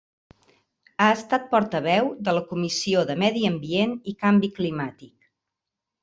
Ha estat portaveu de la Comissió de Medi Ambient i canvi climàtic.